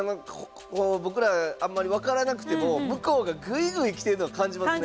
僕らあんまり分からなくても向こうがグイグイ来てるのは感じますね。